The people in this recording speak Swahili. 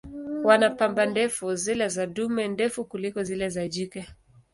Wana pamba ndefu, zile za dume ndefu kuliko zile za jike.